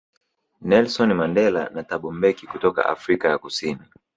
Nelsoni Mandela na Thabo Mbeki kutoka Afrika ya Kusini